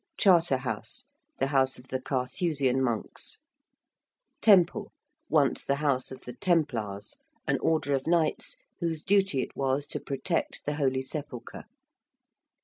~Charter House~: the house of the Carthusian monks. ~Temple~: once the house of the ~Templars~, an order of knights whose duty it was to protect the Holy Sepulchre.